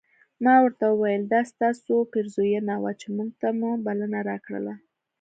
ما ورته وویل دا ستاسو پیرزوینه وه چې موږ ته مو بلنه راکړله.